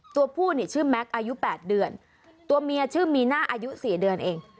ตัวผู้ชื่อแมคอายุแปดเดือนตัวเมียชื่อมีน่าอายุสี่เดือนเอง